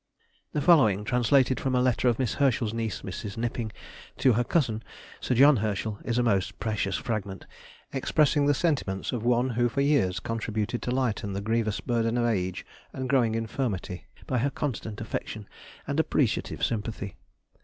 The following, translated from a letter of Miss Herschel's niece, Mrs. Knipping, to her cousin, Sir J. Herschel, is a most precious fragment, expressing the sentiments of one who for years contributed to lighten the grievous burden of age and growing infirmity by her constant affection and appreciative sympathy.